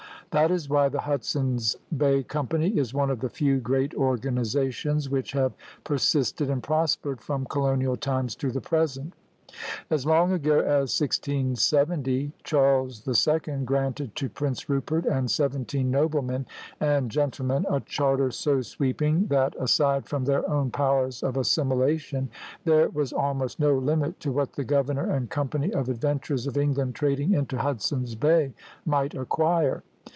That is why the Hudson's Bay Company is one of the few great organizations which have persisted and prospered from colonial times to the present. As long ago as 1670 Charles II granted to Prince Rupert and seventeen noblemen and gentlemen a charter so sweeping that, aside from their own powers of assimilation, there was almost no limit to what the "Governor and Company of Adventurers of England trading into Hudson's Bay" might acquire.